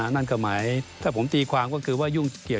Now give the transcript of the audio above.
นั่นก็หมายถ้าผมตีความก็คือว่ายุ่งเกี่ยว